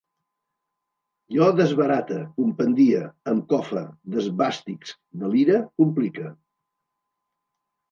Jo desbarate, compendie, em cofe, desbastisc, delire, complique